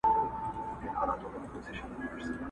وو حاکم مګر مشهوره په امیر وو.!